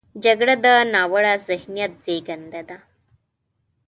جګړه د ناوړه ذهنیت زیږنده ده